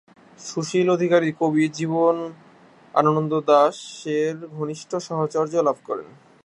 সুশীল অধিকারী কবি জীবনানন্দ দাশের ঘনিষ্ঠ সাহচর্য লাভ করেন।